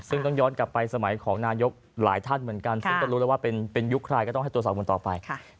ซึ่งต้องย้อนกลับไปสมัยของนายกหลายท่านเหมือนกันซึ่งก็รู้แล้วว่าเป็นยุคใครก็ต้องให้ตรวจสอบกันต่อไป